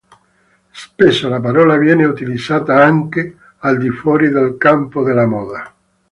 Spesso la parola viene utilizzata anche al di fuori del campo della moda.